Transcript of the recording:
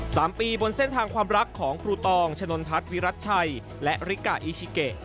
สามปีบนเส้นทางความรักของครูตองชะนนทัศน์วิรัติชัยและริกาอิชิเกะ